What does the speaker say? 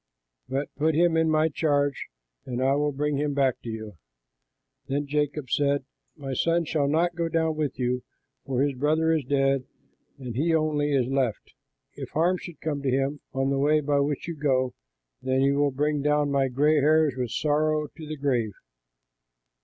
Put him in my charge and I will bring him back to you." Then Jacob said, "My son shall not go down with you, for his brother is dead and he only is left. If harm should come to him on the way by which you go, then you will bring down my gray hairs with sorrow to the grave."